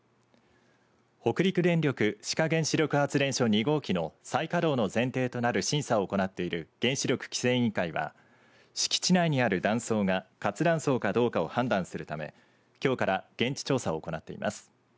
北陸電力志賀原子力発電所２号機の再稼働の前提となる審査を行っている原子力規制委員会は敷地内にある断層が活断層かどうかを判断するためきょうから現地調査を行っています。